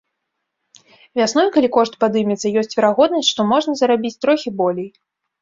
Вясной, калі кошт падымецца, ёсць верагоднасць, што можна зарабіць трохі болей.